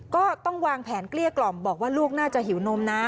ก็ต้องวางแผนเกลี้ยกล่อมบอกว่าลูกน่าจะหิวนมนะ